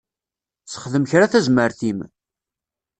Sexdem kra tazmert-im.